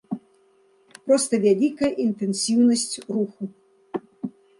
Проста вялікая інтэнсіўнасць руху.